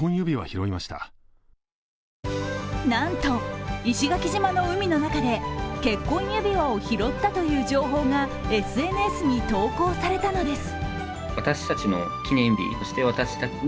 なんと、石垣島の海の中で結婚指輪を拾ったという情報がＳＮＳに投稿されたのです。